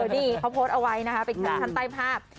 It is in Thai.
นี่เขาโพสต์เอาไว้นะครับเป็นท่านใต้ภาพ